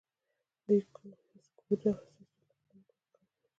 د اسیکوډا سیستم په ګمرکونو کې کار کوي؟